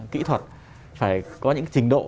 kỹ thuật phải có những trình độ